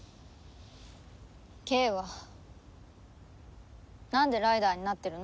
景和なんでライダーになってるの？